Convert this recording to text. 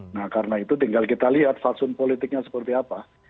nah karena itu tinggal kita lihat faksun politiknya seperti apa